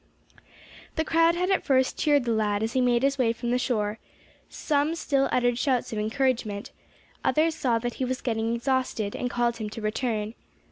The crowd had at first cheered the lad as he made his way from the shore; some still uttered shouts of encouragement, others saw that he was getting exhausted, and called to him to return.